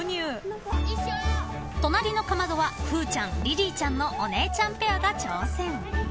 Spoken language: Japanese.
［隣のかまどはふうちゃんリリーちゃんのお姉ちゃんペアが挑戦］